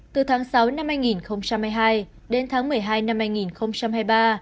từ tháng sáu năm hai nghìn hai mươi hai đến tháng một mươi hai năm hai nghìn hai mươi ba